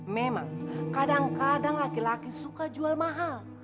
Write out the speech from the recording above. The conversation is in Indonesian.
memang kadang kadang laki laki suka jual mahal